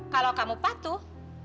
kalau kamu patuh